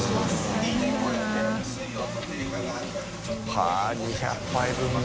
はぁ２００杯分も。